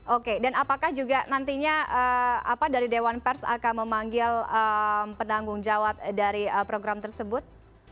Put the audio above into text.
oke dan apakah juga nantinya dari dewan pers akan memanggil penanggung jawab dari program tersebut